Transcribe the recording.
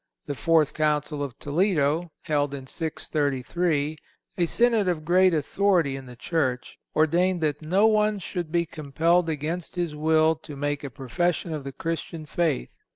The fourth Council of Toledo, held in 633, a synod of great authority in the Church, ordained that no one should be compelled against his will to make a profession of the Christian faith.